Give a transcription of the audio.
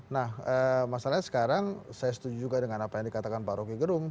nah masalahnya sekarang saya setuju juga dengan apa yang dikatakan pak rocky gerung